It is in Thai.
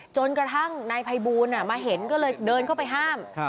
จนกระทั่งนายภัยบูลมาเห็นก็เลยเดินเข้าไปห้าม